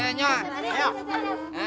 yuk ayo lah ngintip aja